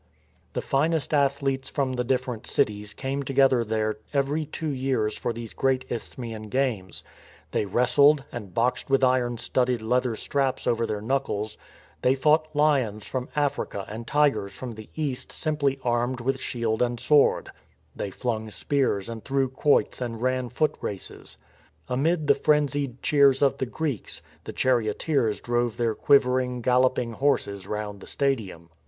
The finest athletes from the different cities came together there every two years for these great Isthmian games, — they wrestled, and boxed with iron studded leather straps over their knuckles; they fought lions from Africa and tigers from the East simply armed with shield and sword; they flung spears and threw quoits and ran foot races. Amid the frenzied cheers of the Greeks, the charioteers drove their quivering galloping horses round the stadium.